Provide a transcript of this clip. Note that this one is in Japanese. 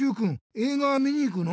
映画見に行くの？